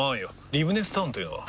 リブネスタウンというのは？